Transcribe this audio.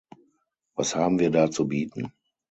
Was haben wir da zu bieten?